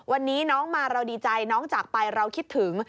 วันนี้น้องมาเราดีใจน้องจากไปเราคิดถึง